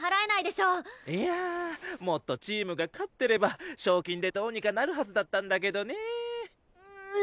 いやあもっとチームが勝ってれば賞金でどうにかなるはずだったんだけどね。む！